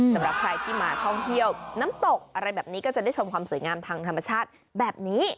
สำหรับใครที่มาท่องเที่ยวน้ำตกอะไรแบบนี้ก็จะได้ชมความสวยงามทางธรรมชาติแบบนี้